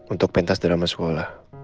untuk pentas drama sekolah